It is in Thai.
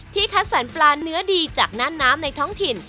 คัดสรรปลาเนื้อดีจากน่านน้ำในท้องถิ่น